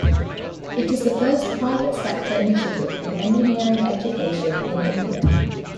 It is the first private sector initiative in engineering education in India.